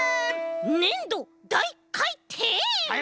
ねんどだいかいてん！？